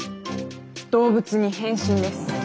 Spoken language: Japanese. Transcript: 動物に変身です。